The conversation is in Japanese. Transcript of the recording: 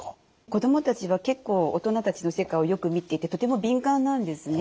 子どもたちは結構大人たちの世界をよく見ていてとても敏感なんですね。